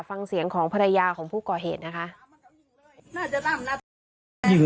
ฟังเสียงของภรรยาของผู้ก่อเหตุนะคะ